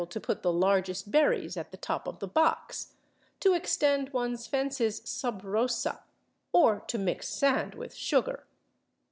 to put the largest berries at the top of the box, to extend one's fences /sub rosa/, or to mix sand with sugar.